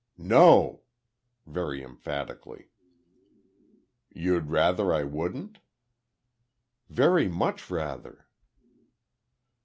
"No!" very emphatically. "You'd rather I wouldn't?" "Very much rather."